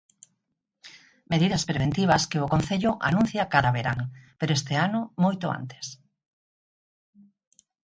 Medidas preventivas que o Concello anuncia cada verán, pero este ano moito antes.